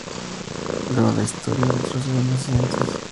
Luego la historia retrocede meses antes.